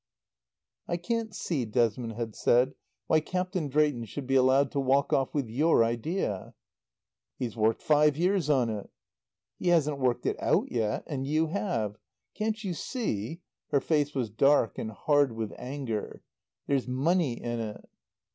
"I can't see," Desmond had said, "why Captain Drayton should be allowed to walk off with your idea." "He's worked five years on it." "He hasn't worked it out yet, and you have. Can't you see " her face was dark and hard with anger "there's money in it?"